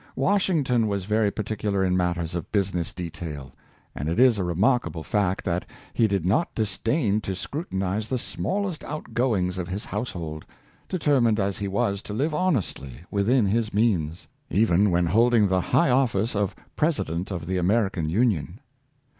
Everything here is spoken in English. Washington was very particular in matters of business detail; and it is a remarkable fact, that he did not disdain to scru tinize the smallest outgoings of his household — deter mined as he was to live honestly within his means — even when holding the high office of President of the American Union.